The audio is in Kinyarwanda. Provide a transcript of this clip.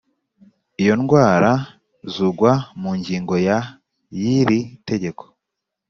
Iyo indwara z ugwa mu ngingo ya y iri tegeko